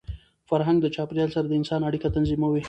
فرهنګ د چاپېریال سره د انسان اړیکه تنظیموي.